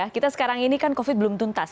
kita sekarang ini kan covid belum tuntas